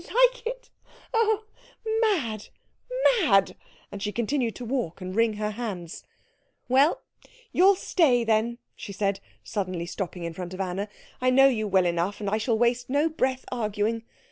"Like it? Oh mad, mad!" And she continued to walk and wring her hands. "Well, you'll stay, then," she said, suddenly stopping in front of Anna, "I know you well enough, and shall waste no breath arguing.